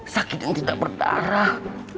sakit yang tidak bertarah